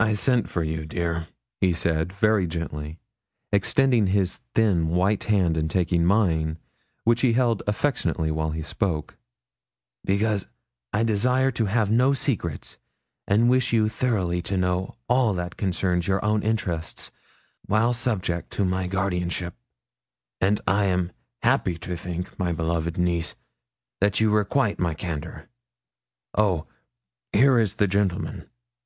'I sent for you, dear,' he said very gently, extending his thin, white hand, and taking mine, which he held affectionately while he spoke, 'because I desire to have no secrets, and wish you thoroughly to know all that concerns your own interests while subject to my guardianship; and I am happy to think, my beloved niece, that you requite my candour. Oh, here is the gentleman.